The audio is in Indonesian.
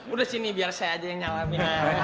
udah sini biar saya aja yang nyalaminya